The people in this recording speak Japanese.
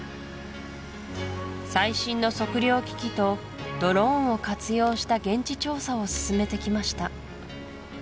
最新の測量機器とドローンを活用した現地調査を進めてきました